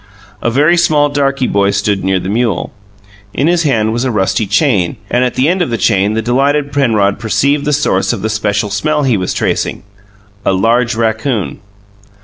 A very small darky boy stood near the mule. In his hand was a rusty chain, and at the end of the chain the delighted Penrod perceived the source of the special smell he was tracing a large raccoon.